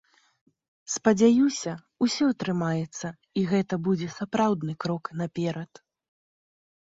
Спадзяюся, усё атрымаецца, і гэта будзе сапраўдны крок наперад.